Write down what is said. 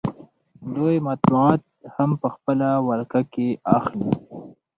دوی مطبوعات هم په خپله ولکه کې اخلي